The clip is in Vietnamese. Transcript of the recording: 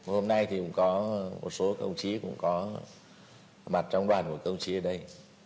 hôm nay thì cũng có một số công chí cũng có mặt trong đoàn của công chí ở đây